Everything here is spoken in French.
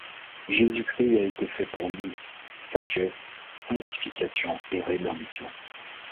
Jésus-Christ a été fait pour nous: sagesse, sanctification et rédemption.